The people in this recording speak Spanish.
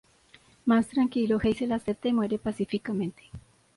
Más tranquilo, Hazel acepta y muere pacíficamente.